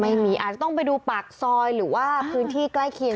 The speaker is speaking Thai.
อาจจะต้องไปดูปากซอยหรือว่าพื้นที่ใกล้เคียง